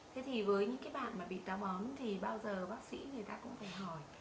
thế thì với những bạn bị táo bón thì bao giờ bác sĩ người ta cũng phải hỏi